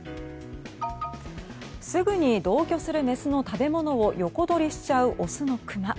すぐに同居するメスの食べ物を横取りしちゃうオスのクマ。